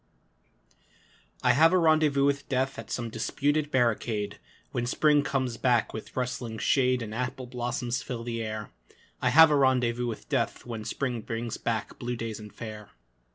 I have a rendezvous with Death At some disputed barricade, When Spring comes back with rustling shade And apple blossoms fill the air I have a rendezvous with Death When Spring brings back blue days and fair.